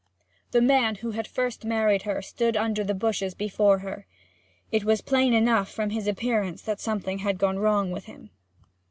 The man who had first married her stood under the bushes before her. It was plain from his appearance that something had gone wrong with him.